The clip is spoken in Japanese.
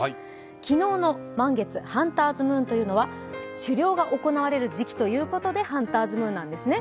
昨日の満月、ハンターズムーンというのは狩猟が行われる時期ということでハンターズムーンですね。